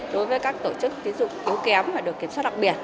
đối với các tổ chức tiến dụng yếu kém mà được kiểm soát đặc biệt